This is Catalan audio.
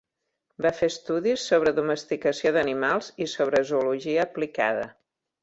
Va fer estudis sobre domesticació d'animals i sobre zoologia aplicada.